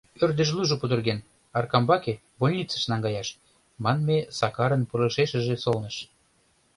— Ӧрдыжлужо пудырген, Аркамбаке, больницыш, наҥгаяш, — манме Сакарын пылышешыже солныш.